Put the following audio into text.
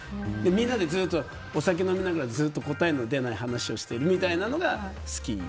みんなで、お酒を飲みながらずっと答えの出ない話をしてるのが好き。